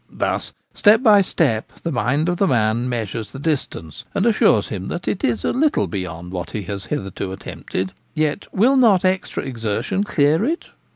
Thus, step by step, the mind of the man measures the distance, and assures him that it is a little beyond what he has hitherto attempted ; yet will not extra exertion clear it